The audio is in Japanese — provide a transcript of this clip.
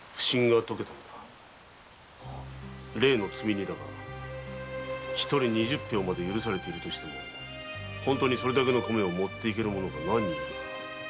例の積み荷だが一人二十俵まで許されているとしても本当にそれだけの米を持ってゆける者が何人おる？